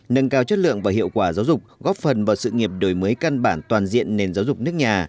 nâng cao chất lượng và hiệu quả giáo dục góp phần vào sự nghiệp đổi mới căn bản toàn diện nền giáo dục nước nhà